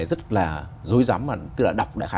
rất là dối giắm tức là đọc